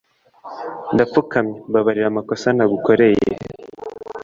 ndapfukamye mbabarira amakosa nagukoreye